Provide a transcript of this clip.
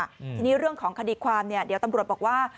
ทีนี้เรื่องของคดีความเนี่ยเดี๋ยวตำรวจบอกว่า